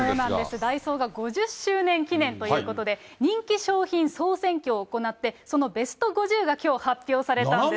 ダイソーが５０周年記念ということで、人気商品総選挙を行って、そのベスト５０がきょう発表されたんです。